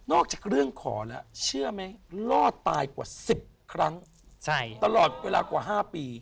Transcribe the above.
จากเรื่องขอแล้วเชื่อไหมรอดตายกว่า๑๐ครั้งตลอดเวลากว่า๕ปี